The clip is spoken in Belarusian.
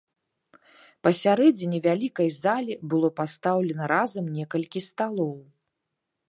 Пасярэдзіне вялікай залі было пастаўлена разам некалькі сталоў.